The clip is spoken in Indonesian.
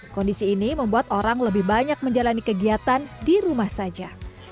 kondisi ini membuat orang lebih banyak menjalani kegiatan di rumah saja